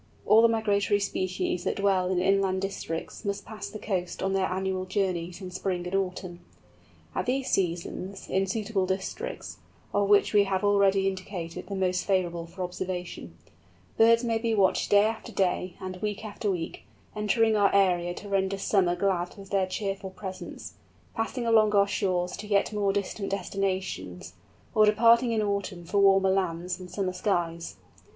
All the migratory species that dwell in inland districts must pass the coast on their annual journeys in spring and autumn. At these seasons, in suitable districts (of which we have already indicated the most favourable for observation), birds may be watched day after day, and week after week, entering our area to render summer glad with their cheerful presence, passing along our shores to yet more distant destinations, or departing in autumn for warmer lands and sunnier skies.